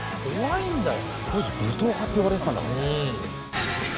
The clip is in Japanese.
当時武闘派って呼ばれてたんだから。